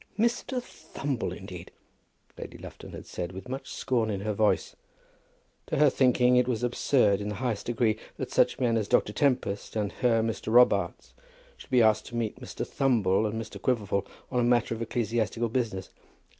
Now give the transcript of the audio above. "Mr. Thumble, indeed!" Lady Lufton had said, with much scorn in her voice. To her thinking, it was absurd in the highest degree that such men as Dr. Tempest and her Mr. Robarts should be asked to meet Mr. Thumble and Mr. Quiverful on a matter of ecclesiastical business.